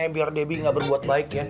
biar debbie nggak berbuat baik ya